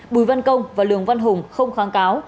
bùi văn công và lường văn hùng không kháng cáo